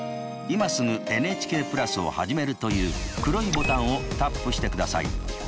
「今すぐＮＨＫプラスをはじめる」という黒いボタンをタップしてください。